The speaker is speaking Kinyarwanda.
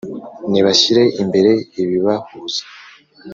nibashyire imbere ibibahuza